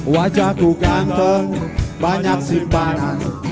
wajah ku ganteng banyak simpanan